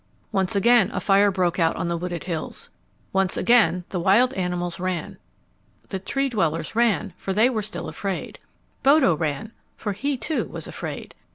Once again a fire broke out on the wooded hills. Once again the wild animals ran. The Tree dwellers ran, for they still were afraid. Bodo ran; for he, too, was afraid.